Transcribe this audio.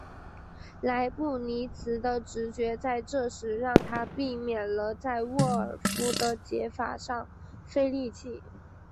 莱布尼兹的直觉在这时让他避免了在沃尔夫的解法上费力气。